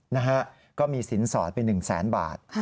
นะฮะก็มีสินสอดไป๑แสนบาท